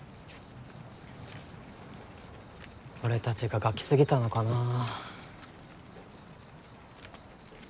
俺たちがガキ過ぎたのかなぁ。